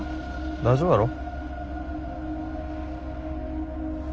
大丈夫やろ。